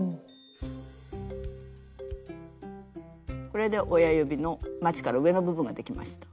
これで親指のまちから上の部分ができました。